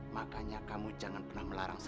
makanya kamu jangan pernah menikah dengan saya